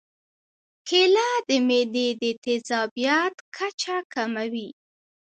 کېله د معدې د تیزابیت کچه کموي.